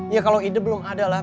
ya kalau ide belum ada lah